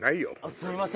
すみません。